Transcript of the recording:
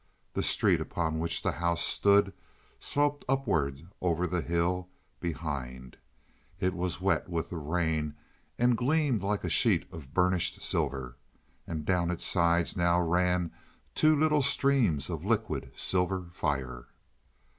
The street upon which the house stood sloped upwards over the hill behind. It was wet with the rain and gleamed like a sheet of burnished silver. And down its sides now ran two little streams of liquid silver fire.